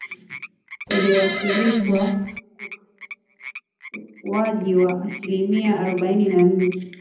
ikiwasilisha ukuaji wa asilimia harobaini na nne